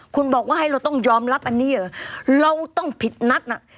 คุณบอกว่าให้เราต้องยอมรับอันนี้เหรอเราต้องผิดนัดน่ะ